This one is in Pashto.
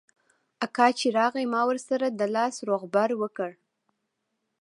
اکا چې راغى ما ورسره د لاس روغبړ وکړ.